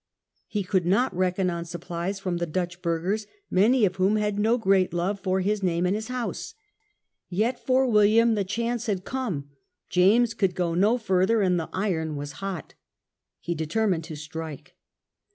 He could not reckon on supplies from the Dutch burghers, many of whom had no great love for his name and his house. Yet for William the chance had come. James could go no further and the iron was hot. He determined to strike.